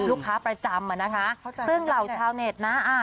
ลูกค้าประจำอ่ะนะคะเข้าใจซึ่งเหล่าชาวเน็ตนะอ่า